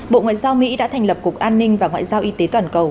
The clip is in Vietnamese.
bộ ngoại giao mỹ đã thành lập cục an ninh và ngoại giao y tế toàn cầu